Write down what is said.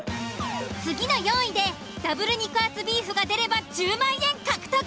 次の４位でダブル肉厚ビーフが出れば１０万円獲得。